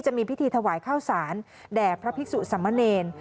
จะมีพิธีถวายข้าวสารแด่พระภิกษุสมเนร